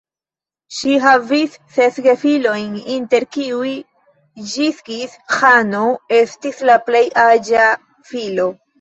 Ŝi havis ses gefilojn, inter kiuj Ĝingis-Ĥano estis la plej aĝa filo.